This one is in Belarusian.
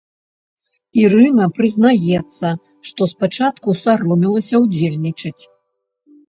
Ірына прызнаецца, што спачатку саромелася ўдзельнічаць.